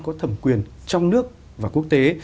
có thẩm quyền trong nước và quốc tế